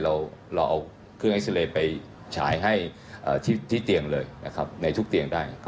เราเอาเครื่องเอ็กซาเรย์ไปฉายให้ที่เตียงเลยนะครับในทุกเตียงได้